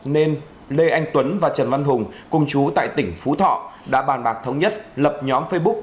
nên lê anh tuấn và trần văn hùng cùng chú tại tỉnh phú thọ đã bàn bạc thống nhất lập nhóm facebook